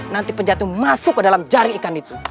nanti penjahat itu masuk ke dalam jaring ikan itu